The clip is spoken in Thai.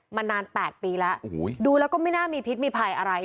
มานาน๘ปีแล้วดูแล้วก็ไม่น่ามีพิษมีภัยอะไร